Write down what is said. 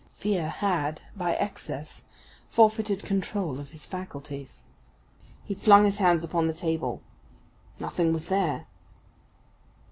Fear had by excess forfeited control of his faculties. He flung his hands upon the table. Nothing was there!